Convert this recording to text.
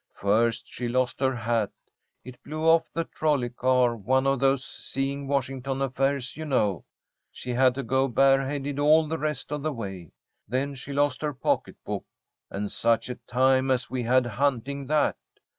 First she lost her hat. It blew off the trolley car, one of those 'seeing Washington' affairs, you know. She had to go bareheaded all the rest of the way. Then she lost her pocketbook, and such a time as we had hunting that.